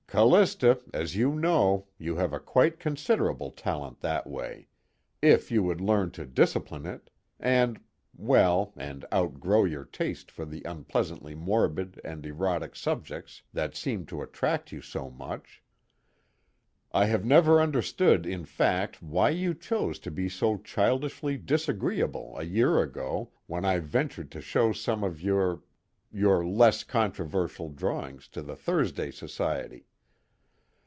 "Callista, as you know, you have a quite considerable talent that way, if you would learn to discipline it, and well, and outgrow your taste for the unpleasantly morbid and erotic subjects that seem to attract you so much. I have never understood in fact why you chose to be so childishly disagreeable a year ago when I ventured to show some of your your less controversial drawings to the Thursday Society.